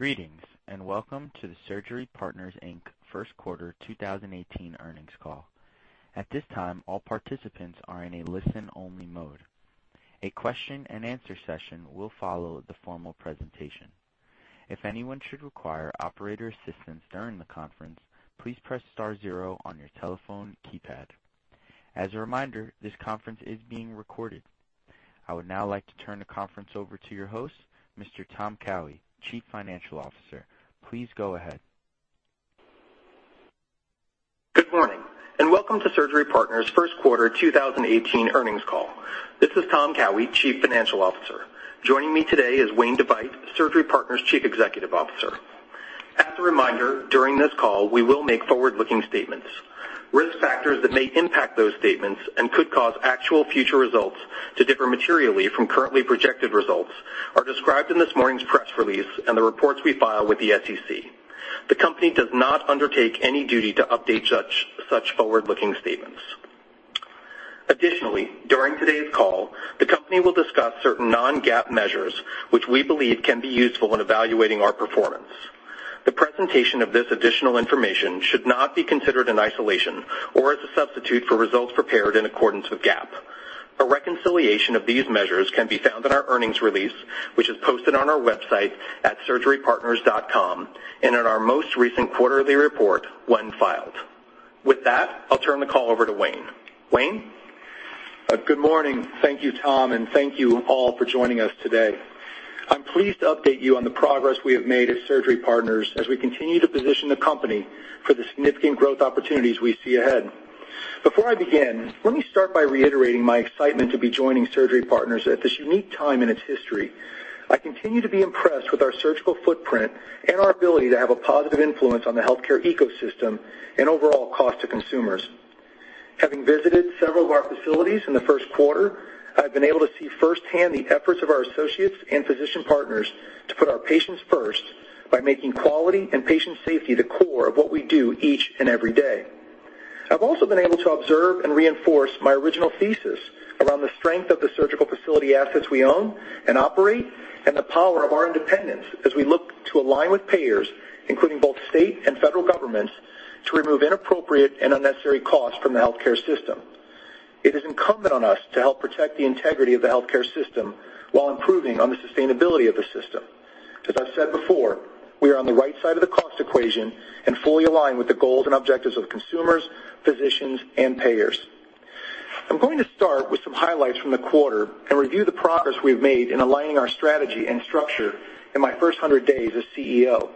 Greetings, and welcome to the Surgery Partners, Inc. first quarter 2018 earnings call. At this time, all participants are in a listen-only mode. A question and answer session will follow the formal presentation. If anyone should require operator assistance during the conference, please press star zero on your telephone keypad. As a reminder, this conference is being recorded. I would now like to turn the conference over to your host, Mr. Tom Cowhey, Chief Financial Officer. Please go ahead. Good morning, and welcome to Surgery Partners' first quarter 2018 earnings call. This is Tom Cowhey, Chief Financial Officer. Joining me today is Wayne DeVeydt, Surgery Partners' Chief Executive Officer. As a reminder, during this call, we will make forward-looking statements. Risk factors that may impact those statements and could cause actual future results to differ materially from currently projected results are described in this morning's press release and the reports we file with the SEC. The company does not undertake any duty to update such forward-looking statements. Additionally, during today's call, the company will discuss certain non-GAAP measures which we believe can be useful in evaluating our performance. The presentation of this additional information should not be considered in isolation or as a substitute for results prepared in accordance with GAAP. A reconciliation of these measures can be found in our earnings release, which is posted on our website at surgerypartners.com and in our most recent quarterly report when filed. With that, I'll turn the call over to Wayne. Wayne? Good morning. Thank you, Tom, and thank you all for joining us today. I'm pleased to update you on the progress we have made at Surgery Partners as we continue to position the company for the significant growth opportunities we see ahead. Before I begin, let me start by reiterating my excitement to be joining Surgery Partners at this unique time in its history. I continue to be impressed with our surgical footprint and our ability to have a positive influence on the healthcare ecosystem and overall cost to consumers. Having visited several of our facilities in the first quarter, I've been able to see firsthand the efforts of our associates and physician partners to put our patients first by making quality and patient safety the core of what we do each and every day. I've also been able to observe and reinforce my original thesis around the strength of the surgical facility assets we own and operate and the power of our independence as we look to align with payers, including both state and federal governments, to remove inappropriate and unnecessary costs from the healthcare system. It is incumbent on us to help protect the integrity of the healthcare system while improving on the sustainability of the system. As I've said before, we are on the right side of the cost equation and fully aligned with the goals and objectives of consumers, physicians, and payers. I'm going to start with some highlights from the quarter and review the progress we've made in aligning our strategy and structure in my first 100 days as CEO.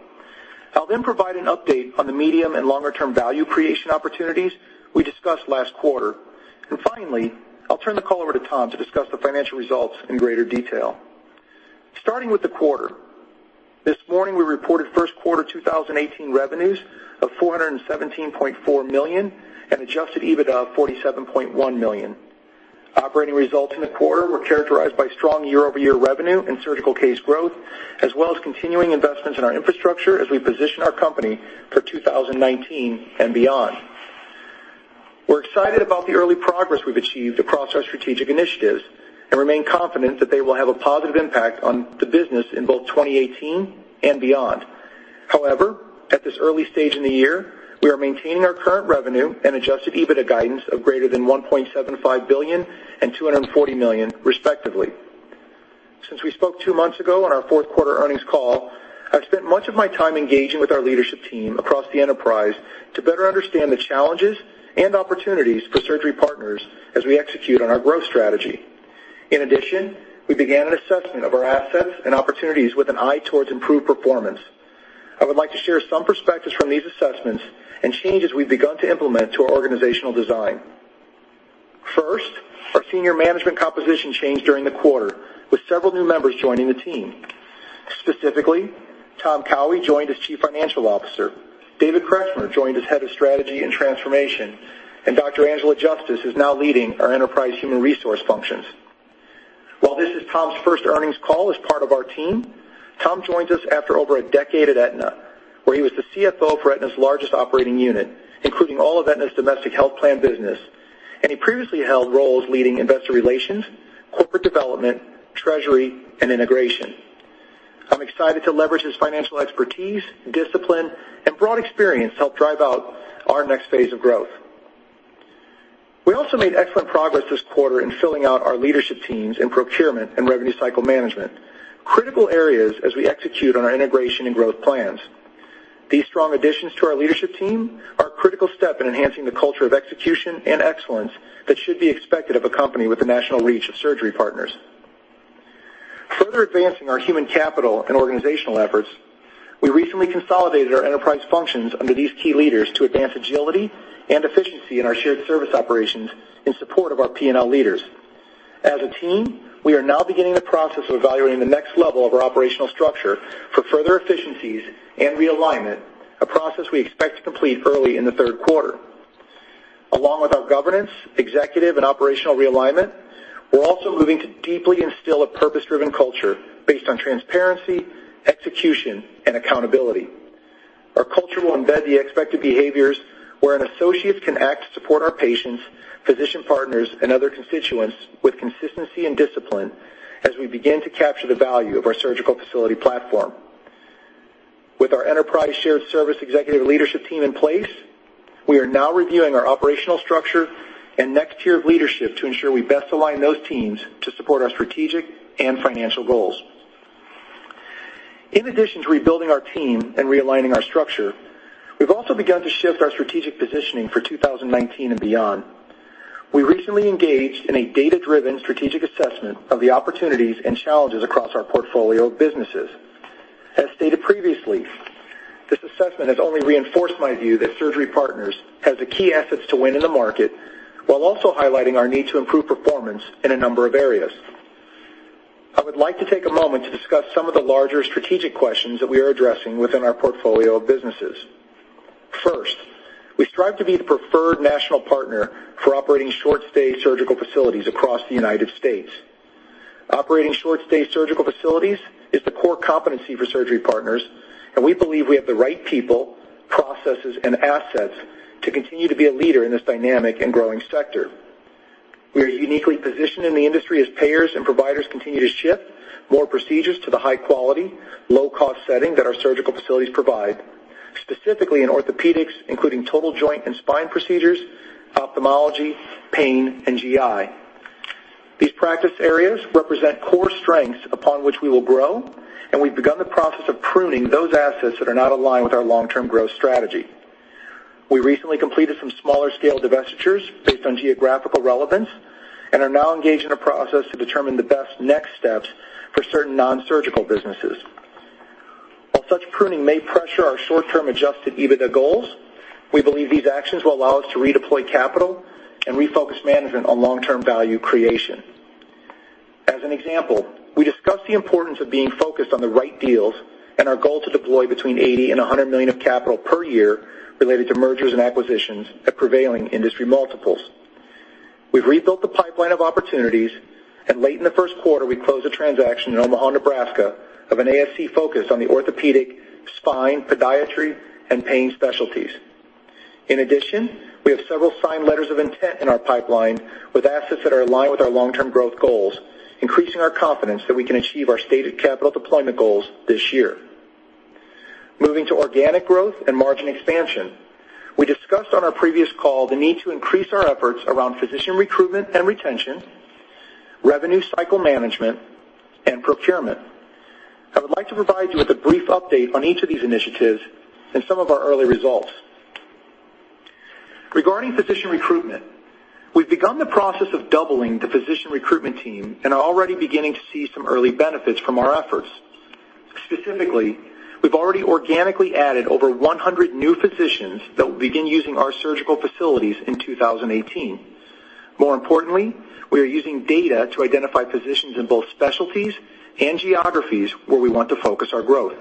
I'll then provide an update on the medium and longer-term value creation opportunities we discussed last quarter. Finally, I'll turn the call over to Tom to discuss the financial results in greater detail. Starting with the quarter, this morning we reported first quarter 2018 revenues of $417.4 million and adjusted EBITDA of $47.1 million. Operating results in the quarter were characterized by strong year-over-year revenue and surgical case growth, as well as continuing investments in our infrastructure as we position our company for 2019 and beyond. We're excited about the early progress we've achieved across our strategic initiatives and remain confident that they will have a positive impact on the business in both 2018 and beyond. However, at this early stage in the year, we are maintaining our current revenue and adjusted EBITDA guidance of greater than $1.75 billion and $240 million, respectively. Since we spoke two months ago on our fourth quarter earnings call, I've spent much of my time engaging with our leadership team across the enterprise to better understand the challenges and opportunities for Surgery Partners as we execute on our growth strategy. In addition, we began an assessment of our assets and opportunities with an eye towards improved performance. I would like to share some perspectives from these assessments and changes we've begun to implement to our organizational design. First, our senior management composition changed during the quarter, with several new members joining the team. Specifically, Tom Cowhey joined as Chief Financial Officer. David Kretschmer joined as Head of Strategy and Transformation, and Dr. Angela Justice is now leading our enterprise human resource functions. While this is Tom's first earnings call as part of our team, Tom joins us after over a decade at Aetna, where he was the CFO for Aetna's largest operating unit, including all of Aetna's domestic health plan business, and he previously held roles leading investor relations, corporate development, treasury, and integration. I'm excited to leverage his financial expertise, discipline, and broad experience to help drive out our next phase of growth. We also made excellent progress this quarter in filling out our leadership teams in procurement and revenue cycle management, critical areas as we execute on our integration and growth plans. These strong additions to our leadership team are a critical step in enhancing the culture of execution and excellence that should be expected of a company with the national reach of Surgery Partners. Further advancing our human capital and organizational efforts, we recently consolidated our enterprise functions under these key leaders to advance agility and efficiency in our shared service operations in support of our P&L leaders. As a team, we are now beginning the process of evaluating the next level of our operational structure for further efficiencies and realignment, a process we expect to complete early in the third quarter. Along with our governance, executive, and operational realignment, we're also moving to deeply instill a purpose-driven culture based on transparency, execution, and accountability. Our culture will embed the expected behaviors where an associate can act to support our patients, physician partners, and other constituents with consistency and discipline as we begin to capture the value of our surgical facility platform. With our enterprise shared service executive leadership team in place, we are now reviewing our operational structure and next tier of leadership to ensure we best align those teams to support our strategic and financial goals. In addition to rebuilding our team and realigning our structure, we've also begun to shift our strategic positioning for 2019 and beyond. We recently engaged in a data-driven strategic assessment of the opportunities and challenges across our portfolio of businesses. As stated previously, this assessment has only reinforced my view that Surgery Partners has the key assets to win in the market while also highlighting our need to improve performance in a number of areas. I would like to take a moment to discuss some of the larger strategic questions that we are addressing within our portfolio of businesses. First, we strive to be the preferred national partner for operating short-stay surgical facilities across the United States. Operating short-stay surgical facilities is the core competency for Surgery Partners, and we believe we have the right people, processes, and assets to continue to be a leader in this dynamic and growing sector. We are uniquely positioned in the industry as payers and providers continue to shift more procedures to the high-quality, low-cost setting that our surgical facilities provide, specifically in orthopedics, including total joint and spine procedures, ophthalmology, pain, and GI. These practice areas represent core strengths upon which we will grow, and we've begun the process of pruning those assets that are not aligned with our long-term growth strategy. We recently completed some smaller scale divestitures based on geographical relevance and are now engaged in a process to determine the best next steps for certain non-surgical businesses. While such pruning may pressure our short-term adjusted EBITDA goals, we believe these actions will allow us to redeploy capital and refocus management on long-term value creation. As an example, we discussed the importance of being focused on the right deals and our goal to deploy between $80 million and $100 million of capital per year related to mergers and acquisitions at prevailing industry multiples. We've rebuilt the pipeline of opportunities, and late in the first quarter, we closed a transaction in Omaha, Nebraska, of an ASC focused on the orthopedic, spine, podiatry, and pain specialties. In addition, we have several signed letters of intent in our pipeline with assets that are aligned with our long-term growth goals, increasing our confidence that we can achieve our stated capital deployment goals this year. Moving to organic growth and margin expansion, we discussed on our previous call the need to increase our efforts around physician recruitment and retention, revenue cycle management, and procurement. I would like to provide you with a brief update on each of these initiatives and some of our early results. Regarding physician recruitment, we've begun the process of doubling the physician recruitment team and are already beginning to see some early benefits from our efforts. Specifically, we've already organically added over 100 new physicians that will begin using our surgical facilities in 2018. More importantly, we are using data to identify physicians in both specialties and geographies where we want to focus our growth.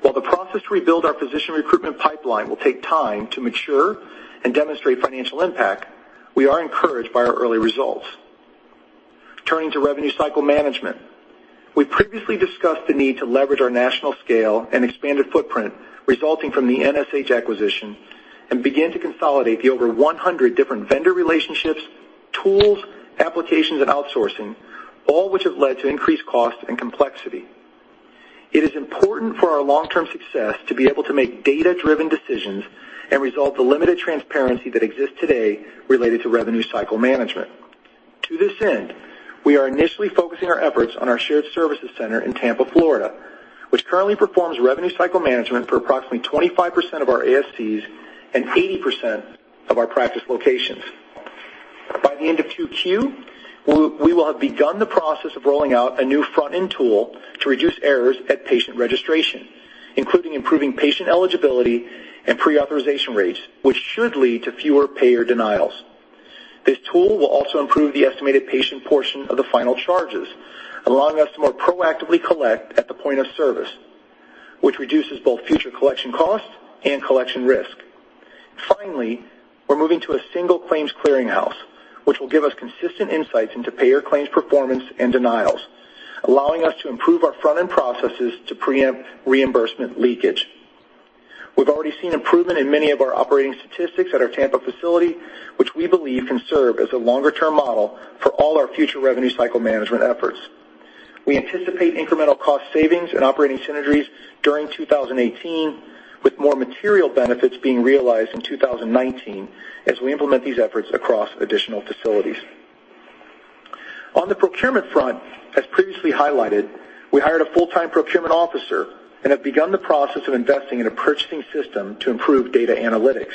While the process to rebuild our physician recruitment pipeline will take time to mature and demonstrate financial impact, we are encouraged by our early results. Turning to revenue cycle management, we previously discussed the need to leverage our national scale and expanded footprint resulting from the NSH acquisition and begin to consolidate the over 100 different vendor relationships, tools, applications, and outsourcing, all which have led to increased cost and complexity. It is important for our long-term success to be able to make data-driven decisions and resolve the limited transparency that exists today related to revenue cycle management. To this end, we are initially focusing our efforts on our shared services center in Tampa, Florida, which currently performs revenue cycle management for approximately 25% of our ASCs and 80% of our practice locations. By the end of 2Q, we will have begun the process of rolling out a new front-end tool to reduce errors at patient registration, including improving patient eligibility and pre-authorization rates, which should lead to fewer payer denials. This tool will also improve the estimated patient portion of the final charges, allowing us to more proactively collect at the point of service, which reduces both future collection costs and collection risk. Finally, we're moving to a single claims clearinghouse, which will give us consistent insights into payer claims performance and denials, allowing us to improve our front-end processes to preempt reimbursement leakage. We've already seen improvement in many of our operating statistics at our Tampa facility, which we believe can serve as a longer-term model for all our future revenue cycle management efforts. We anticipate incremental cost savings and operating synergies during 2018, with more material benefits being realized in 2019 as we implement these efforts across additional facilities. On the procurement front, as previously highlighted, we hired a full-time procurement officer and have begun the process of investing in a purchasing system to improve data analytics.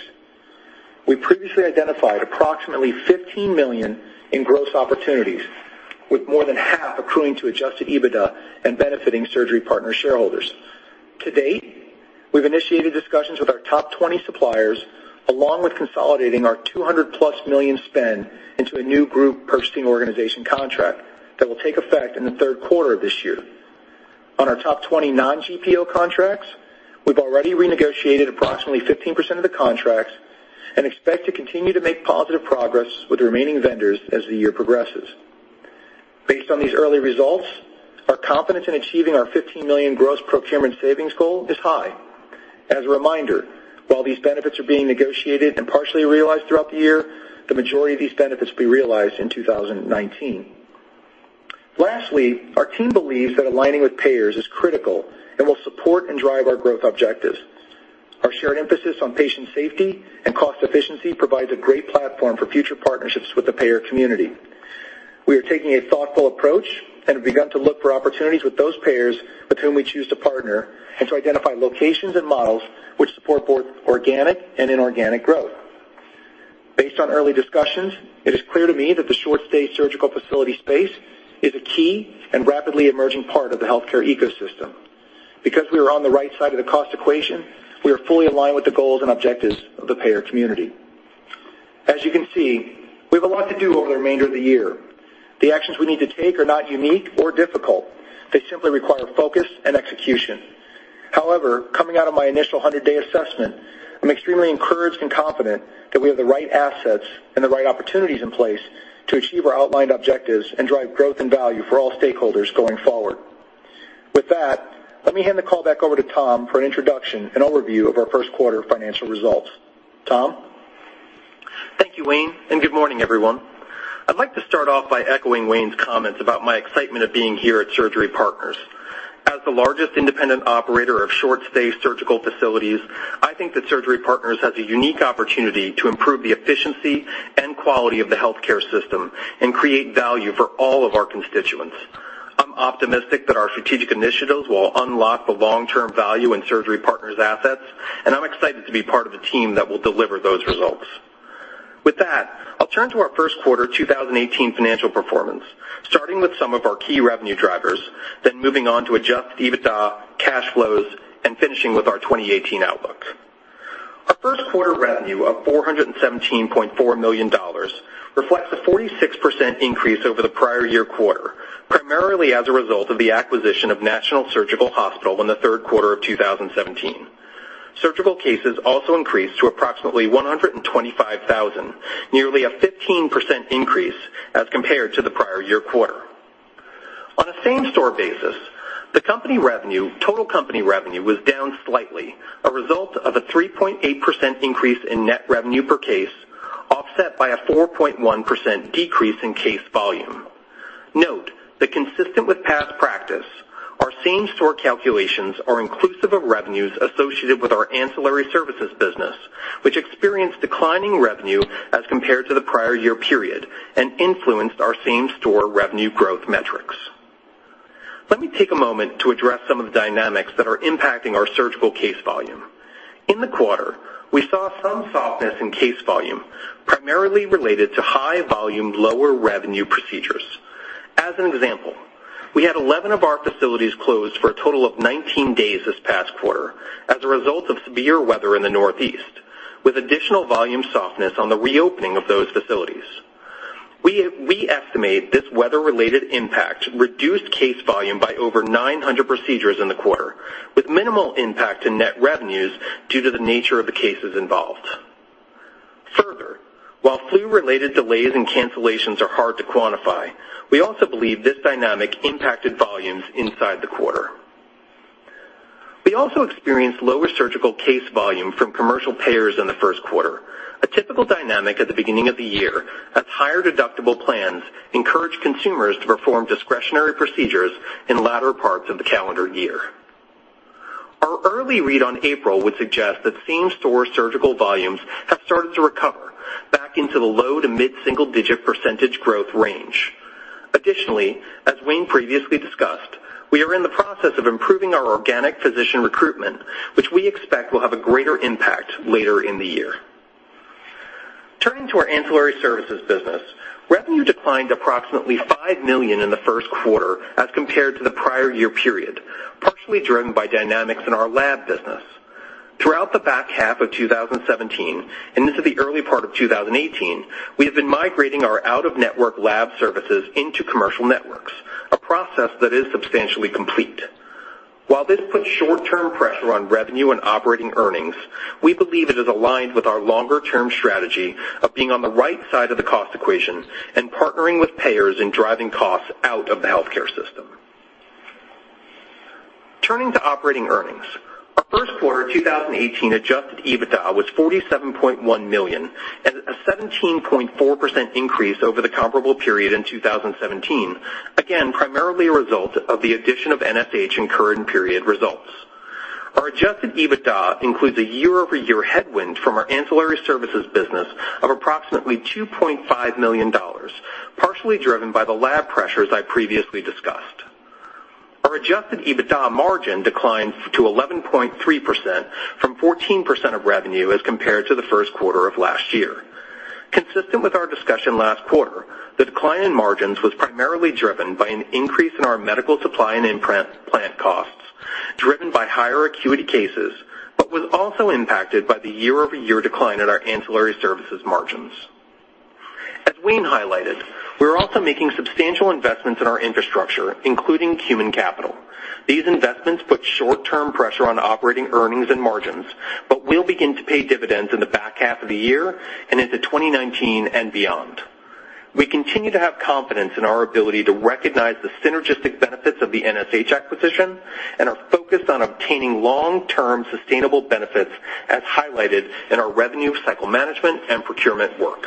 We previously identified approximately $15 million in gross opportunities, with more than half accruing to adjusted EBITDA and benefiting Surgery Partners shareholders. To date, we've initiated discussions with our top 20 suppliers, along with consolidating our $200-plus million spend into a new group purchasing organization contract that will take effect in the third quarter of this year. On our top 20 non-GPO contracts, we've already renegotiated approximately 15% of the contracts and expect to continue to make positive progress with the remaining vendors as the year progresses. Based on these early results, our confidence in achieving our $15 million gross procurement savings goal is high. As a reminder, while these benefits are being negotiated and partially realized throughout the year, the majority of these benefits will be realized in 2019. Lastly, our team believes that aligning with payers is critical and will support and drive our growth objectives. Our shared emphasis on patient safety and cost efficiency provides a great platform for future partnerships with the payer community. We are taking a thoughtful approach and have begun to look for opportunities with those payers with whom we choose to partner and to identify locations and models which support both organic and inorganic growth. Based on early discussions, it is clear to me that the short-stay surgical facility space is a key and rapidly emerging part of the healthcare ecosystem. Because we are on the right side of the cost equation, we are fully aligned with the goals and objectives of the payer community. As you can see, we have a lot to do over the remainder of the year. The actions we need to take are not unique or difficult. They simply require focus and execution. Coming out of my initial 100-day assessment, I'm extremely encouraged and confident that we have the right assets and the right opportunities in place to achieve our outlined objectives and drive growth and value for all stakeholders going forward. With that, let me hand the call back over to Tom for an introduction and overview of our first quarter financial results. Tom? Thank you, Wayne, and good morning, everyone. I'd like to start off by echoing Wayne's comments about my excitement at being here at Surgery Partners. As the largest independent operator of short-stay surgical facilities, I think that Surgery Partners has a unique opportunity to improve the efficiency and quality of the healthcare system and create value for all of our constituents. I'm optimistic that our strategic initiatives will unlock the long-term value in Surgery Partners' assets, and I'm excited to be part of a team that will deliver those results. With that, I'll turn to our first quarter 2018 financial performance, starting with some of our key revenue drivers, then moving on to adjusted EBITDA, cash flows, and finishing with our 2018 outlook. Our first quarter revenue of $417.4 million reflects a 46% increase over the prior year quarter, primarily as a result of the acquisition of National Surgical Healthcare in the third quarter of 2017. Surgical cases also increased to approximately 125,000, nearly a 15% increase as compared to the prior year quarter. On a same-store basis, the total company revenue was down slightly, a result of a 3.8% increase in net revenue per case, offset by a 4.1% decrease in case volume. Note that consistent with past practice, our same-store calculations are inclusive of revenues associated with our ancillary services business, which experienced declining revenue as compared to the prior year period and influenced our same-store revenue growth metrics. Let me take a moment to address some of the dynamics that are impacting our surgical case volume. In the quarter, we saw some softness in case volume, primarily related to high volume, lower revenue procedures. As an example, we had 11 of our facilities closed for a total of 19 days this past quarter as a result of severe weather in the Northeast, with additional volume softness on the reopening of those facilities. We estimate this weather-related impact reduced case volume by over 900 procedures in the quarter, with minimal impact to net revenues due to the nature of the cases involved. While flu-related delays and cancellations are hard to quantify, we also believe this dynamic impacted volumes inside the quarter. We also experienced lower surgical case volume from commercial payers in the first quarter, a typical dynamic at the beginning of the year as higher deductible plans encourage consumers to perform discretionary procedures in the latter parts of the calendar year. Our early read on April would suggest that same-store surgical volumes have started to recover back into the low to mid-single digit percentage growth range. As Wayne previously discussed, we are in the process of improving our organic physician recruitment, which we expect will have a greater impact later in the year. Turning to our ancillary services business, revenue declined approximately $5 million in the first quarter as compared to the prior year period, partially driven by dynamics in our lab business. Throughout the back half of 2017 and into the early part of 2018, we have been migrating our out-of-network lab services into commercial networks, a process that is substantially complete. This puts short-term pressure on revenue and operating earnings, we believe it is aligned with our longer-term strategy of being on the right side of the cost equation and partnering with payers in driving costs out of the healthcare system. Turning to operating earnings, our first quarter 2018 adjusted EBITDA was $47.1 million and a 17.4% increase over the comparable period in 2017, primarily a result of the addition of NSH in current period results. Our adjusted EBITDA includes a year-over-year headwind from our ancillary services business of approximately $2.5 million, partially driven by the lab pressures I previously discussed. Our adjusted EBITDA margin declined to 11.3% from 14% of revenue as compared to the first quarter of last year. Consistent with our discussion last quarter, the decline in margins was primarily driven by an increase in our medical supply and implant costs driven by higher acuity cases but was also impacted by the year-over-year decline in our ancillary services margins. As Wayne highlighted, we are also making substantial investments in our infrastructure, including human capital. These investments put short-term pressure on operating earnings and margins, but will begin to pay dividends in the back half of the year and into 2019 and beyond. We continue to have confidence in our ability to recognize the synergistic benefits of the NSH acquisition and are focused on obtaining long-term sustainable benefits, as highlighted in our revenue cycle management and procurement work.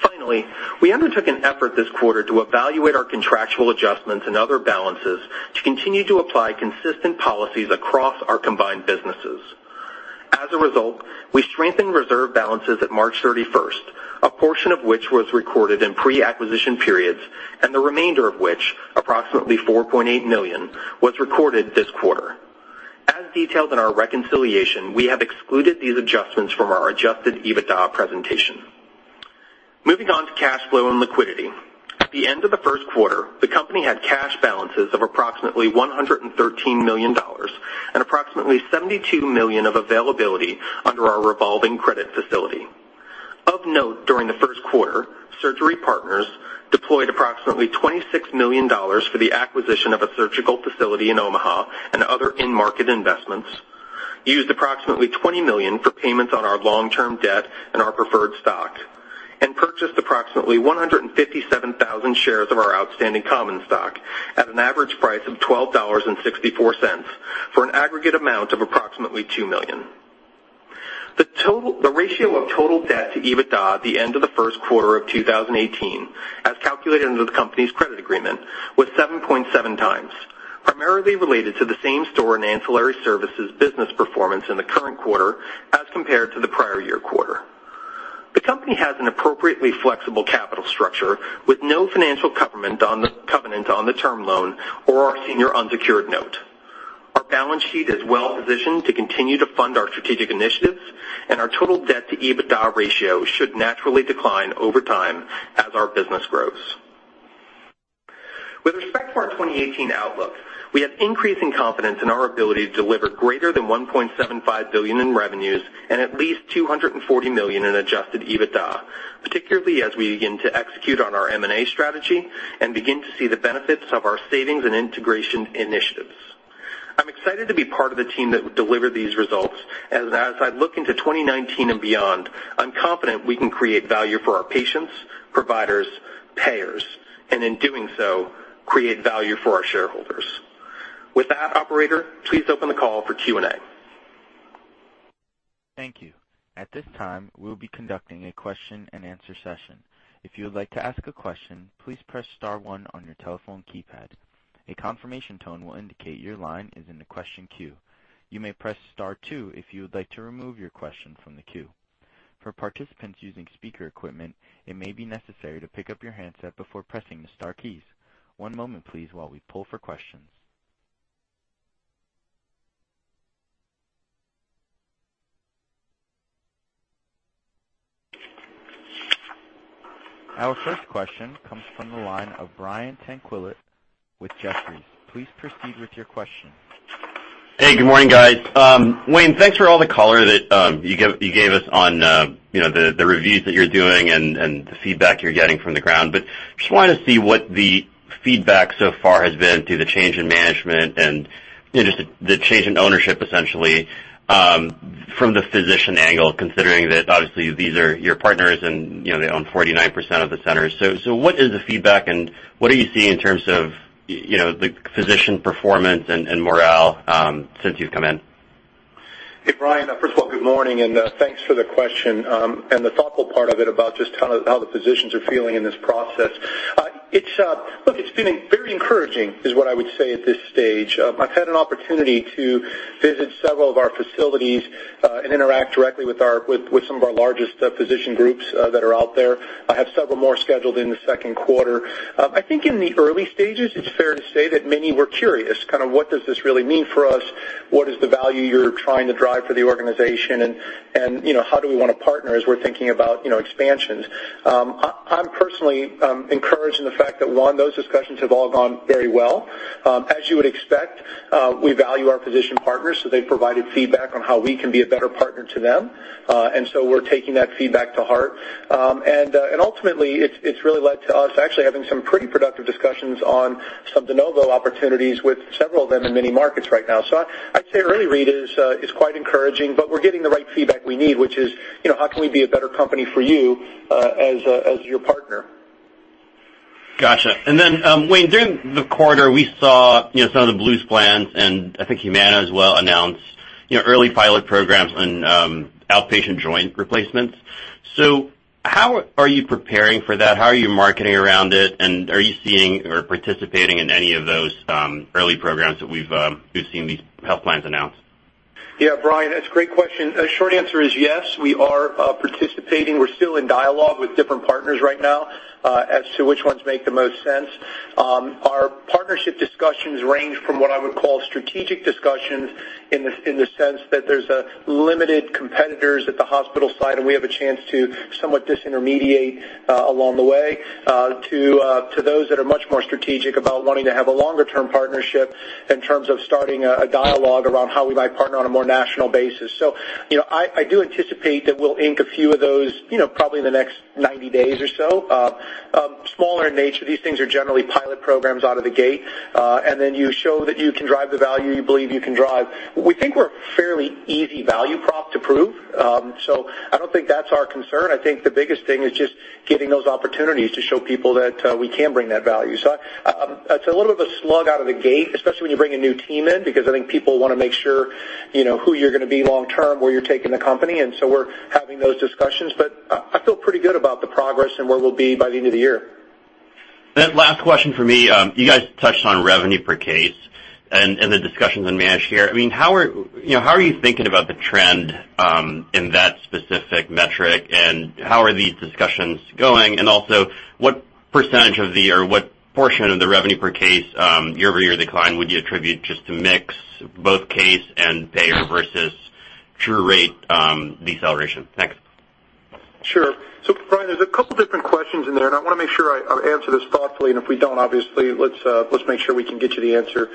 Finally, we undertook an effort this quarter to evaluate our contractual adjustments and other balances to continue to apply consistent policies across our combined businesses. As a result, we strengthened reserve balances at March 31st, a portion of which was recorded in pre-acquisition periods, and the remainder of which, approximately $4.8 million, was recorded this quarter. As detailed in our reconciliation, we have excluded these adjustments from our adjusted EBITDA presentation. Moving on to cash flow and liquidity. At the end of the first quarter, the company had cash balances of approximately $113 million and approximately $72 million of availability under our revolving credit facility. Of note, during the first quarter, Surgery Partners deployed approximately $26 million for the acquisition of a surgical facility in Omaha and other in-market investments, used approximately $20 million for payments on our long-term debt and our preferred stock, and purchased approximately 157,000 shares of our outstanding common stock at an average price of $12.64, for an aggregate amount of approximately $2 million. The ratio of total debt to EBITDA at the end of the first quarter of 2018, as calculated under the company's credit agreement, was 7.7 times, primarily related to the same-store and ancillary services business performance in the current quarter as compared to the prior year quarter. The company has an appropriately flexible capital structure with no financial covenant on the term loan or our senior unsecured note. Our balance sheet is well-positioned to continue to fund our strategic initiatives, and our total debt to EBITDA ratio should naturally decline over time as our business grows. With respect to our 2018 outlook, we have increasing confidence in our ability to deliver greater than $1.75 billion in revenues and at least $240 million in adjusted EBITDA, particularly as we begin to execute on our M&A strategy and begin to see the benefits of our savings and integration initiatives. I'm excited to be part of the team that will deliver these results, and as I look into 2019 and beyond, I'm confident we can create value for our patients, providers, payers, and in doing so, create value for our shareholders. With that, operator, please open the call for Q&A. Thank you. At this time, we'll be conducting a question and answer session. If you would like to ask a question, please press *1 on your telephone keypad. A confirmation tone will indicate your line is in the question queue. You may press *2 if you would like to remove your question from the queue. For participants using speaker equipment, it may be necessary to pick up your handset before pressing the star keys. One moment, please, while we pull for questions. Our first question comes from the line of Brian Tanquilut with Jefferies. Please proceed with your question. Hey, good morning, guys. Wayne, thanks for all the color that you gave us on the reviews that you're doing and the feedback you're getting from the ground. Just wanted to see what the feedback so far has been through the change in management and just the change in ownership, essentially, from the physician angle, considering that obviously these are your partners and they own 49% of the centers. What is the feedback and what are you seeing in terms of the physician performance and morale since you've come in? Hey, Brian. First of all, good morning, and thanks for the question, and the thoughtful part of it about just how the physicians are feeling in this process. Look, it's been very encouraging, is what I would say at this stage. I've had an opportunity to visit several of our facilities and interact directly with some of our largest physician groups that are out there. I have several more scheduled in the second quarter. I think in the early stages, it's fair to say that many were curious, kind of what does this really mean for us? What is the value you're trying to drive for the organization? How do we want to partner as we're thinking about expansions? I'm personally encouraged in the fact that, one, those discussions have all gone very well. As you would expect, we value our physician partners, they provided feedback on how we can be a better partner to them, we're taking that feedback to heart. Ultimately, it's really led to us actually having some pretty productive discussions on some de novo opportunities with several of them in many markets right now. I'd say early read is quite encouraging, we're getting the right feedback we need, which is, how can we be a better company for you as your partner? Got you. Then, Wayne, during the quarter, we saw some of the Blues plans, and I think Humana as well, announce early pilot programs and outpatient joint replacements. How are you preparing for that? How are you marketing around it? Are you seeing or participating in any of those early programs that we've seen these health plans announce? Yeah, Brian, that's a great question. Short answer is yes. We are participating. We're still in dialogue with different partners right now as to which ones make the most sense. Our partnership discussions range from what I would call strategic discussions in the sense that there's limited competitors at the hospital side, and we have a chance to somewhat disintermediate along the way, to those that are much more strategic about wanting to have a longer-term partnership In terms of starting a dialogue around how we might partner on a more national basis. I do anticipate that we'll ink a few of those probably in the next 90 days or so. Smaller in nature, these things are generally pilot programs out of the gate, and then you show that you can drive the value you believe you can drive. We think we're a fairly easy value prop to prove, so I don't think that's our concern. I think the biggest thing is just getting those opportunities to show people that we can bring that value. So it's a little of a slug out of the gate, especially when you bring a new team in, because I think people want to make sure who you're going to be long term, where you're taking the company, and so we're having those discussions. I feel pretty good about the progress and where we'll be by the end of the year. Last question for me. You guys touched on revenue per case and the discussions in managed care. How are you thinking about the trend in that specific metric, and how are these discussions going? Also, what % of the, or what portion of the revenue per case year-over-year decline would you attribute just to mix, both case and payer versus true rate deceleration? Thanks. Brian, there's a couple different questions in there. I want to make sure I answer this thoughtfully, and if we don't, obviously let's make sure we can get you the answer.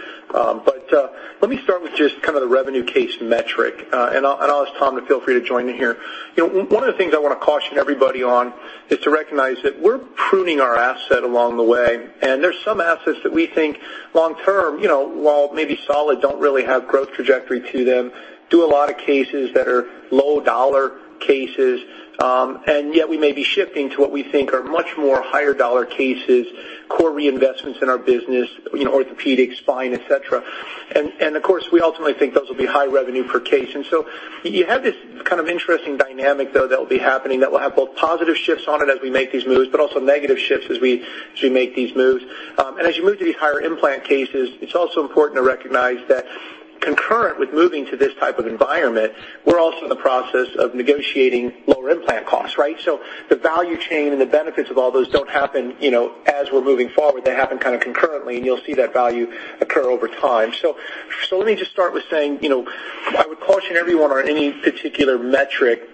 Let me start with just the revenue case metric. I'll ask Tom to feel free to join in here. One of the things I want to caution everybody on is to recognize that we're pruning our asset along the way, and there's some assets that we think long term, while maybe solid, don't really have growth trajectory to them, do a lot of cases that are low-dollar cases, and yet we may be shifting to what we think are much more higher-dollar cases, core reinvestments in our business, orthopedics, spine, et cetera. Of course, we ultimately think those will be high revenue per case. You have this kind of interesting dynamic, though, that will be happening, that will have both positive shifts on it as we make these moves, but also negative shifts as we make these moves. As you move to these higher-implant cases, it's also important to recognize that concurrent with moving to this type of environment, we're also in the process of negotiating lower implant costs, right? The value chain and the benefits of all those don't happen as we're moving forward. They happen kind of concurrently, and you'll see that value occur over time. Let me just start with saying, I would caution everyone on any particular metric,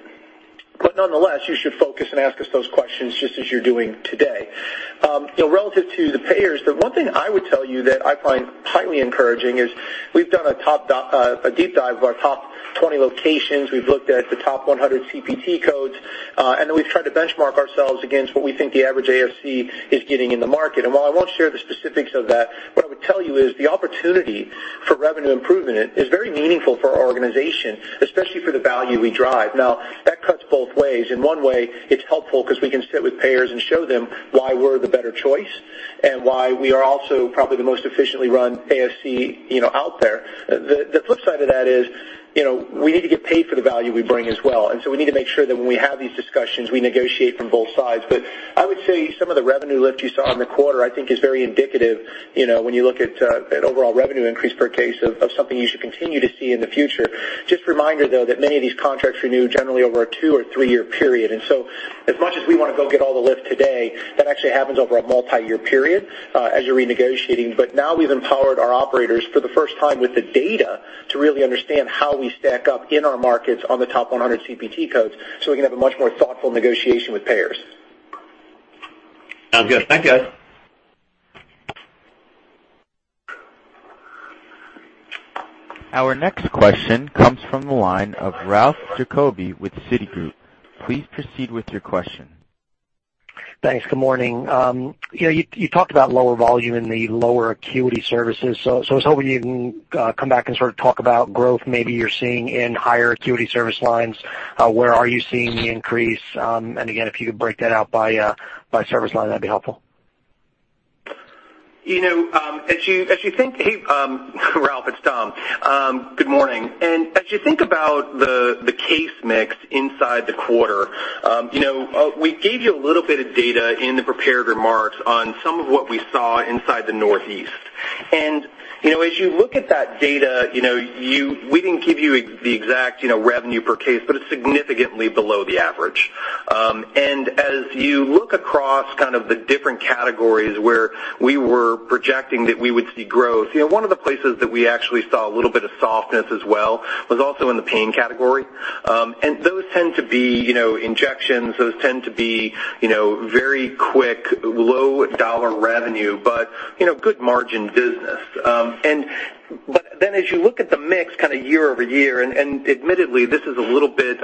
but nonetheless, you should focus and ask us those questions just as you're doing today. Relative to the payers, the one thing I would tell you that I find highly encouraging is we've done a deep dive of our top 20 locations. We've looked at the top 100 CPT codes, then we've tried to benchmark ourselves against what we think the average ASC is getting in the market. While I won't share the specifics of that, what I would tell you is the opportunity for revenue improvement is very meaningful for our organization, especially for the value we drive. Now, that cuts both ways. In one way, it's helpful because we can sit with payers and show them why we're the better choice and why we are also probably the most efficiently run ASC out there. The flip side of that is we need to get paid for the value we bring as well. We need to make sure that when we have these discussions, we negotiate from both sides. I would say some of the revenue lift you saw in the quarter I think is very indicative when you look at overall revenue increase per case of something you should continue to see in the future. Just a reminder, though, that many of these contracts renew generally over a two or three-year period. As much as we want to go get all the lift today, that actually happens over a multi-year period as you're renegotiating. Now we've empowered our operators for the first time with the data to really understand how we stack up in our markets on the top 100 CPT codes so we can have a much more thoughtful negotiation with payers. Sounds good. Thanks, guys. Our next question comes from the line of Ralph Giacobbe with Citigroup. Please proceed with your question. Thanks. Good morning. You talked about lower volume in the lower acuity services, so I was hoping you can come back and sort of talk about growth maybe you're seeing in higher acuity service lines. Where are you seeing the increase? Again, if you could break that out by service line, that'd be helpful. Ralph, it's Tom. Good morning. As you think about the case mix inside the quarter, we gave you a little bit of data in the prepared remarks on some of what we saw inside the Northeast. As you look at that data, we didn't give you the exact revenue per case, but it's significantly below the average. As you look across kind of the different categories where we were projecting that we would see growth, one of the places that we actually saw a little bit of softness as well was also in the pain category. Those tend to be injections, those tend to be very quick, low dollar revenue, but good margin business. As you look at the mix kind of year-over-year, admittedly, this is a little bit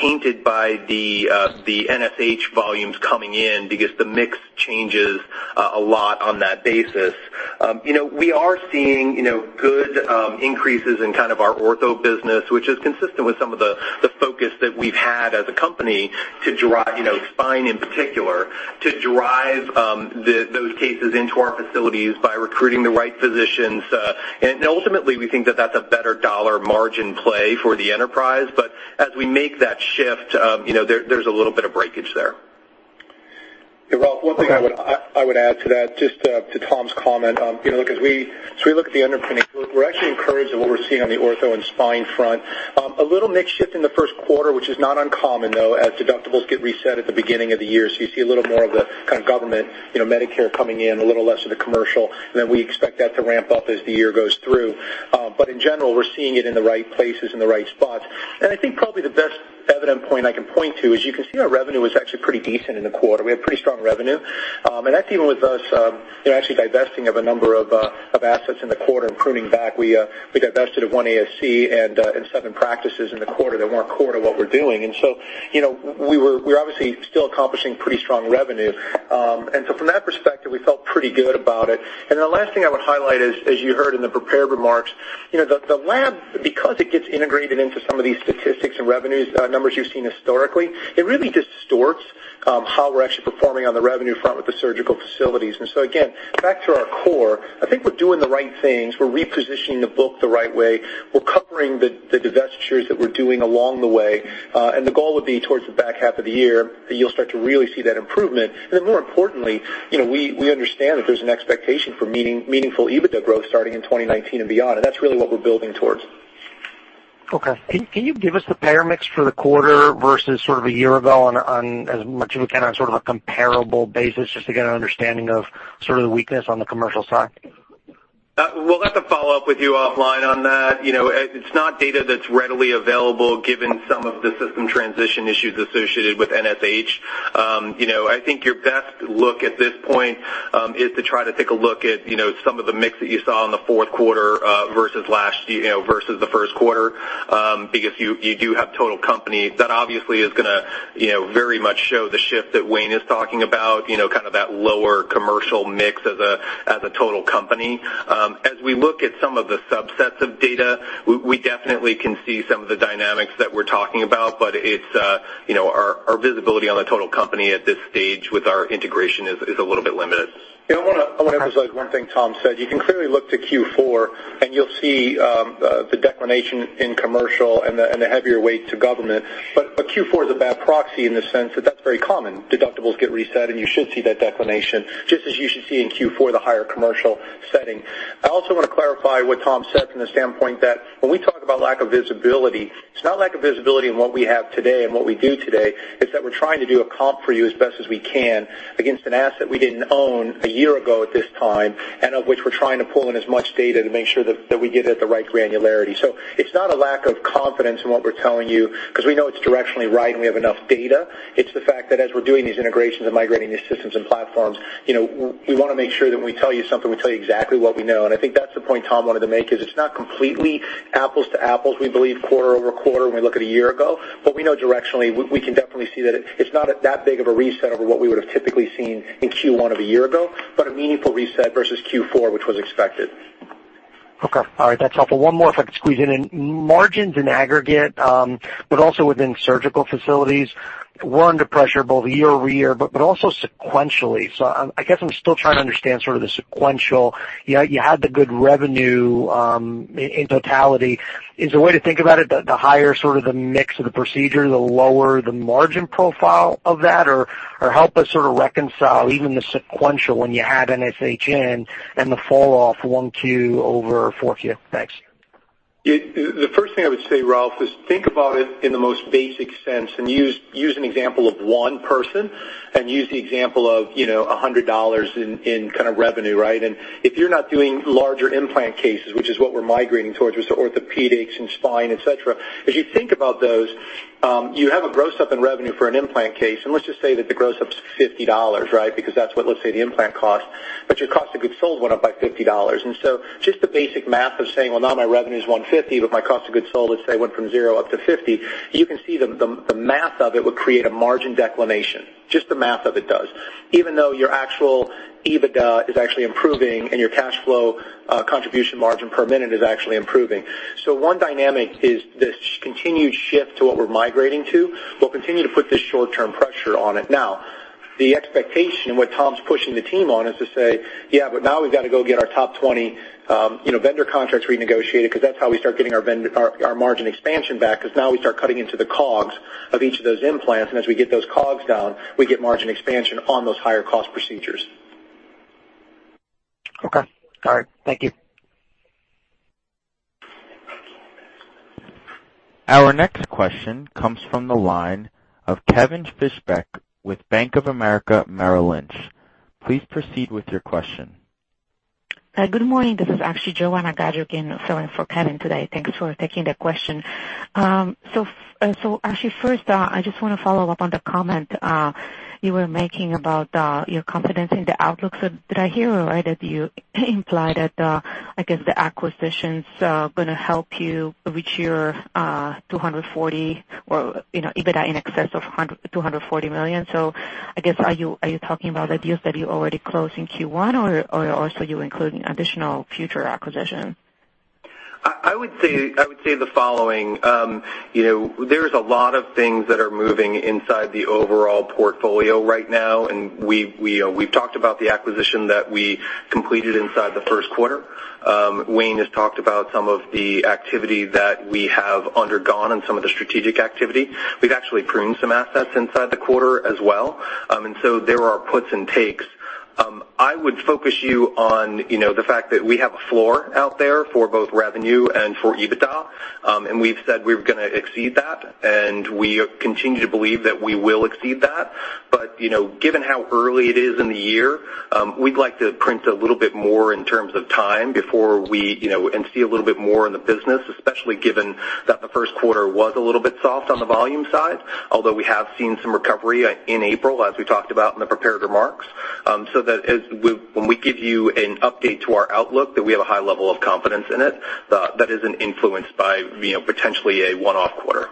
tainted by the NSH volumes coming in because the mix changes a lot on that basis. We are seeing good increases in kind of our ortho business, which is consistent with some of the focus that we've had as a company to drive spine in particular, to drive those cases into our facilities by recruiting the right physicians. Ultimately, we think that that's a better dollar margin play for the enterprise. As we make that shift, there's a little bit of breakage there. Yeah, Ralph, one thing I would add to that, just to Tom's comment. As we look at the underpinning, we're actually encouraged at what we're seeing on the ortho and spine front. A little mix shift in the first quarter, which is not uncommon, though, as deductibles get reset at the beginning of the year. You see a little more of the kind of government Medicare coming in, a little less of the commercial. We expect that to ramp up as the year goes through. In general, we're seeing it in the right places, in the right spots. I think probably the best evident point I can point to is you can see our revenue was actually pretty decent in the quarter. We had pretty strong revenue. That's even with us actually divesting of a number of assets in the quarter and pruning back. We divested of one ASC and seven practices in the quarter that weren't core to what we're doing. We're obviously still accomplishing pretty strong revenue. From that perspective, we felt pretty good about it. The last thing I would highlight is, as you heard in the prepared remarks, the lab, because it gets integrated into some of these statistics and revenues numbers you've seen historically, it really distorts how we're actually performing on the revenue front with the surgical facilities. Again, back to our core, I think we're doing the right things. We're repositioning the book the right way. We're covering the divestitures that we're doing along the way. The goal would be towards the back half of the year that you'll start to really see that improvement. More importantly we understand that there's an expectation for meaningful EBITDA growth starting in 2019 and beyond. That's really what we're building towards. Can you give us the payer mix for the quarter versus sort of a year ago on as much as we can on sort of a comparable basis, just to get an understanding of sort of the weakness on the commercial side? We'll have to follow up with you offline on that. It's not data that's readily available given some of the system transition issues associated with NSH. I think your best look at this point, is to try to take a look at some of the mix that you saw in the fourth quarter versus the first quarter, because you do have total company. That obviously is going to very much show the shift that Wayne is talking about, kind of that lower commercial mix as a total company. As we look at some of the subsets of data, we definitely can see some of the dynamics that we're talking about, but our visibility on the total company at this stage with our integration is a little bit limited. I want to emphasize one thing Tom said. You can clearly look to Q4 and you'll see the declination in commercial and the heavier weight to government. Q4 is a bad proxy in the sense that that's very common. Deductibles get reset, and you should see that declination, just as you should see in Q4, the higher commercial setting. I also want to clarify what Tom said from the standpoint that when we talk about lack of visibility, it's not lack of visibility in what we have today and what we do today, it's that we're trying to do a comp for you as best as we can against an asset we didn't own a year ago at this time, and of which we're trying to pull in as much data to make sure that we get it at the right granularity. It's not a lack of confidence in what we're telling you, because we know it's directionally right, and we have enough data. It's the fact that as we're doing these integrations and migrating these systems and platforms, we want to make sure that when we tell you something, we tell you exactly what we know. I think that's the point Tom wanted to make, is it's not completely apples to apples, we believe quarter-over-quarter when we look at a year ago. We know directionally, we can definitely see that it's not that big of a reset over what we would've typically seen in Q1 of a year ago, but a meaningful reset versus Q4, which was expected. Okay. All right. That's helpful. One more if I could squeeze in. Margins in aggregate, but also within surgical facilities were under pressure both year-over-year but also sequentially. I guess I'm still trying to understand sort of the sequential. You had the good revenue, in totality. Is the way to think about it that the higher sort of the mix of the procedure, the lower the margin profile of that? Or help us sort of reconcile even the sequential when you add NSH in and the fall off 1Q over 4Q. Thanks. The first thing I would say, Ralph, is think about it in the most basic sense and use an example of 1 person and use the example of $100 in kind of revenue, right? If you're not doing larger implant cases, which is what we're migrating towards with orthopedics and spine, et cetera, as you think about those, you have a gross up in revenue for an implant case, and let's just say that the gross up's $50, right? Because that's what, let's say, the implant costs. Your cost of goods sold went up by $50. Just the basic math of saying, well, now my revenue's $150, but my cost of goods sold, let's say, went from 0 up to $50. You can see the math of it would create a margin declination. Just the math of it does. Even though your actual EBITDA is actually improving and your cash flow contribution margin per minute is actually improving. 1 dynamic is this continued shift to what we're migrating to, will continue to put this short-term pressure on it. Now, the expectation and what Tom's pushing the team on is to say, "Yeah, but now we've got to go get our top 20 vendor contracts renegotiated," because that's how we start getting our margin expansion back, because now we start cutting into the COGS of each of those implants, and as we get those COGS down, we get margin expansion on those higher cost procedures. Okay. All right. Thank you. Our next question comes from the line of Kevin Fischbeck with Bank of America Merrill Lynch. Please proceed with your question. Good morning. This is actually Joanna Gajuk in for Kevin today. Thanks for taking the question. Actually first, I just want to follow up on the comment you were making about your confidence in the outlook. Did I hear it right that you implied that, I guess the acquisitions are going to help you reach your 240 or EBITDA in excess of $240 million? I guess, are you talking about the deals that you already closed in Q1, or also you including additional future acquisitions? I would say the following. There's a lot of things that are moving inside the overall portfolio right now, and we've talked about the acquisition that we completed inside the first quarter. Wayne has talked about some of the activity that we have undergone and some of the strategic activity. We've actually pruned some assets inside the quarter as well. There are puts and takes. I would focus you on the fact that we have a floor out there for both revenue and for EBITDA. We've said we were going to exceed that, and we continue to believe that we will exceed that. Given how early it is in the year, we'd like to print a little bit more in terms of time and see a little bit more in the business, especially given that the first quarter was a little bit soft on the volume side, although we have seen some recovery in April, as we talked about in the prepared remarks. That when we give you an update to our outlook, that we have a high level of confidence in it, that isn't influenced by potentially a one-off quarter.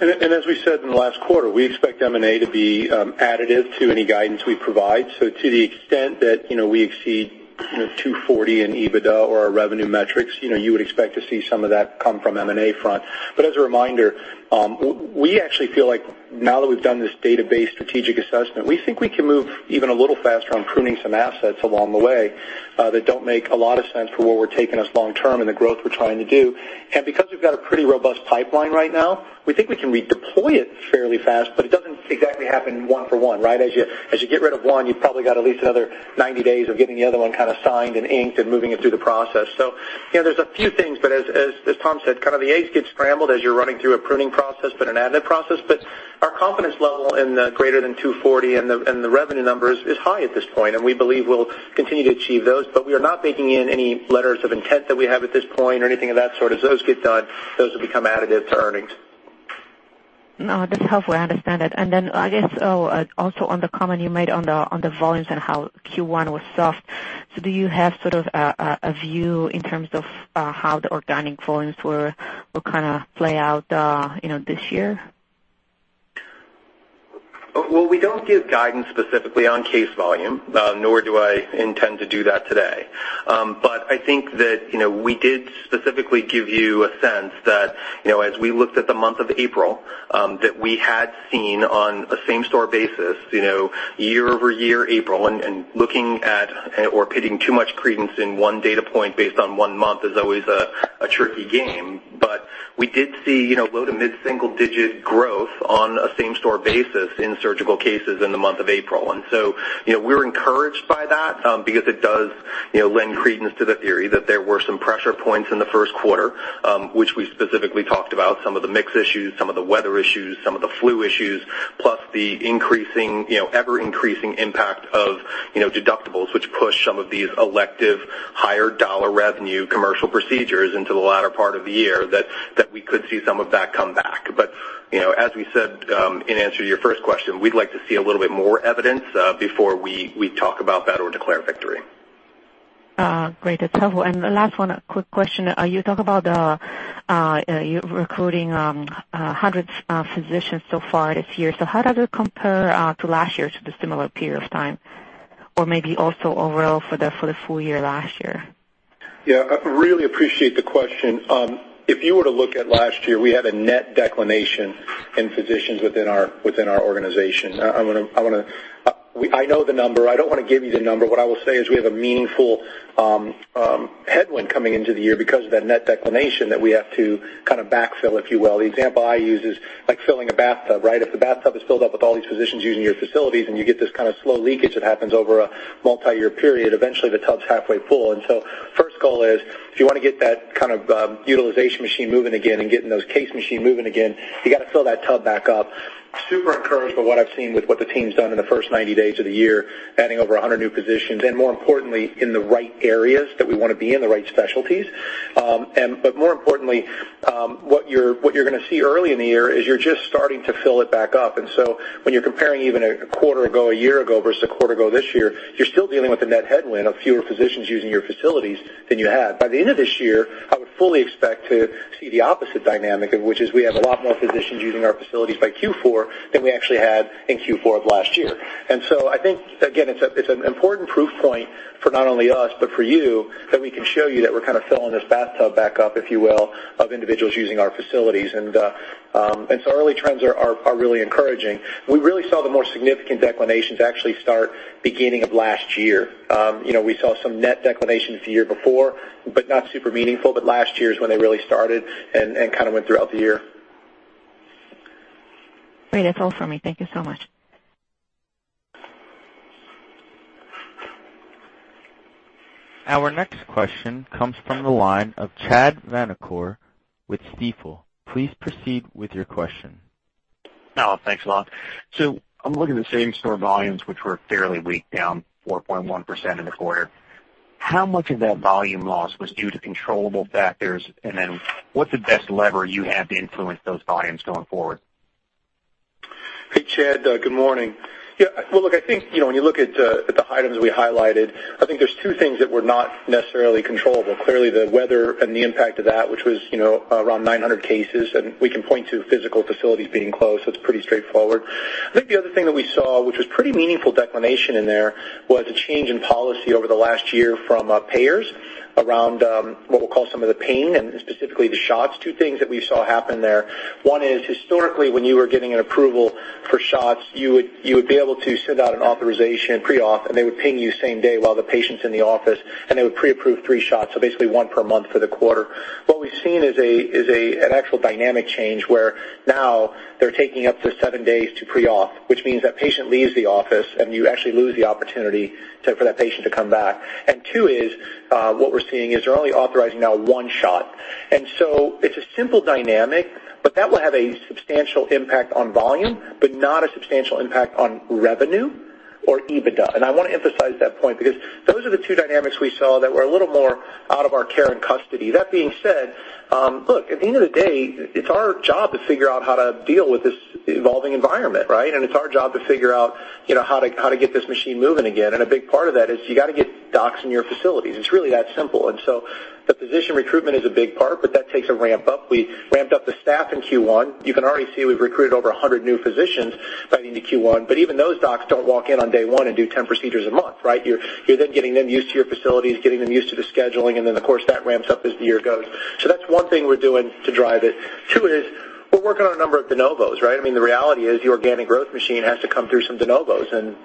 As we said in the last quarter, we expect M&A to be additive to any guidance we provide. To the extent that we exceed $240 in EBITDA or our revenue metrics, you would expect to see some of that come from M&A front. As a reminder, we actually feel like now that we've done this database strategic assessment, we think we can move even a little faster on pruning some assets along the way that don't make a lot of sense for where we're taking us long term and the growth we're trying to do. Because we've got a pretty robust pipeline right now, we think we can redeploy it fairly fast, but it doesn't exactly happen one for one, right? As you get rid of one, you probably got at least another 90 days of getting the other one kind of signed and inked and moving it through the process. There's a few things, but as Tom said, kind of the eggs get scrambled as you're running through a pruning process, but an additive process. Our confidence level in the greater than $240 and the revenue numbers is high at this point, and we believe we'll continue to achieve those. We are not baking in any letters of intent that we have at this point or anything of that sort. As those get done, those will become additive to earnings. No, that's helpful. I understand that. Then I guess, also on the comment you made on the volumes and how Q1 was soft, do you have sort of a view in terms of how the organic volumes will kind of play out this year? We don't give guidance specifically on case volume, nor do I intend to do that today. I think that we did specifically give you a sense that as we looked at the month of April, that we had seen on a same-store basis, year-over-year April, and looking at or putting too much credence in one data point based on one month is always a tricky game. We did see low to mid-single digit growth on a same-store basis in surgical cases in the month of April. We're encouraged by that, because it does lend credence to the theory that there were some pressure points in the first quarter, which we specifically talked about, some of the mix issues, some of the weather issues, some of the flu issues, plus the ever-increasing impact of deductibles, which push some of these elective higher dollar revenue commercial procedures into the latter part of the year, that we could see some of that come back. But as we said in answer to your first question, we'd like to see a little bit more evidence before we talk about that or declare victory. Great. That's helpful. The last one, a quick question. You talk about recruiting hundreds of physicians so far this year. How does it compare to last year to the similar period of time? Or maybe also overall for the full year last year? Yeah, I really appreciate the question. If you were to look at last year, we had a net declination in physicians within our organization. I know the number. I don't want to give you the number. What I will say is we have a meaningful headwind coming into the year because of that net declination that we have to kind of backfill, if you will. The example I use is like filling a bathtub, right? If the bathtub is filled up with all these physicians using your facilities and you get this kind of slow leakage that happens over a multi-year period, eventually the tub's halfway full. The first goal is if you want to get that kind of utilization machine moving again and getting those case machine moving again, you got to fill that tub back up. Super encouraged by what I've seen with what the team's done in the first 90 days of the year, adding over 100 new positions and more importantly, in the right areas that we want to be in, the right specialties. More importantly, what you're going to see early in the year is you're just starting to fill it back up. When you're comparing even a quarter ago a year ago versus a quarter ago this year, you're still dealing with a net headwind of fewer physicians using your facilities than you had. By the end of this year, I would fully expect to see the opposite dynamic, which is we have a lot more physicians using our facilities by Q4 than we actually had in Q4 of last year. I think, again, it's an important proof point for not only us, but for you that we can show you that we're kind of filling this bathtub back up, if you will, of individuals using our facilities. Early trends are really encouraging. We really saw the more significant declinations actually start beginning of last year. We saw some net declination the year before, but not super meaningful, but last year is when they really started and kind of went throughout the year. Great. That's all for me. Thank you so much. Our next question comes from the line of Chad Vanacore with Stifel. Please proceed with your question. Thanks a lot. I'm looking at same-store volumes, which were fairly weak, down 4.1% in the quarter. How much of that volume loss was due to controllable factors, and then what's the best lever you have to influence those volumes going forward? Hey, Chad, good morning. Yeah, well, look, I think, when you look at the items we highlighted, I think there's two things that were not necessarily controllable. Clearly, the weather and the impact of that, which was around 900 cases, and we can point to physical facilities being closed, so it's pretty straightforward. I think the other thing that we saw, which was pretty meaningful declination in there, was a change in policy over the last year from payers around what we'll call some of the pain and specifically the shots. Two things that we saw happen there. One is historically, when you were getting an approval for shots, you would be able to send out an authorization pre-op, and they would ping you same day while the patient's in the office, and they would pre-approve three shots, so basically one per month for the quarter. What we've seen is an actual dynamic change where now they're taking up to seven days to pre-op, which means that patient leaves the office and you actually lose the opportunity for that patient to come back. Two is what we're seeing is they're only authorizing now one shot. It's a simple dynamic that will have a substantial impact on volume, but not a substantial impact on revenue or EBITDA. I want to emphasize that point because those are the two dynamics we saw that were a little more out of our care and custody. That being said, look, at the end of the day, it's our job to figure out how to deal with this evolving environment, right? It's our job to figure out how to get this machine moving again. A big part of that is you got to get docs in your facilities. It's really that simple. The physician recruitment is a big part, but that takes a ramp-up. We ramped up the staff in Q1. You can already see we've recruited over 100 new physicians right into Q1, but even those docs don't walk in on day one and do 10 procedures a month, right? You're then getting them used to your facilities, getting them used to the scheduling, and then, of course, that ramps up as the year goes. That's one thing we're doing to drive it. Two is we're working on a number of de novos, right? I mean, the reality is the organic growth machine has to come through some de novos and